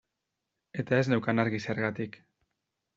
Eta ez neukan argi zergatik.